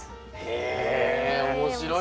へえ面白い。